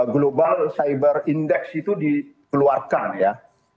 global cyber index itu dikeluarkan ya